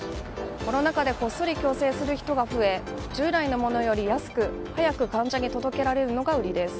コロナ禍でこっそり矯正する人が増え従来のものより安く、早く患者に届けられるのが売りです。